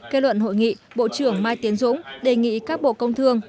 kết luận hội nghị bộ trưởng mai tiến dũng đề nghị các bộ công thương